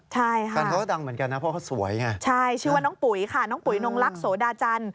ใช่ค่ะใช่ชื่อน้องปุ๋ยค่ะน้องปุ๋ยน้องรักโสดาจันทร์